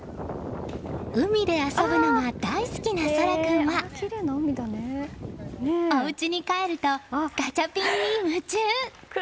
海で遊ぶのが大好きな大空君はおうちに帰るとガチャピンに夢中！